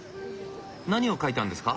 何を書いたんですか？